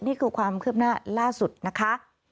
นี่คือความคืบหน้าล่าสุดนะคะ